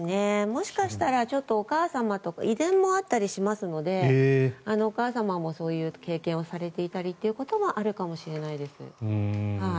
もしかしたらちょっとお母様とか遺伝もあったりしますのでお母様もそういう経験をされていたりっていうこともあるかもしれないです。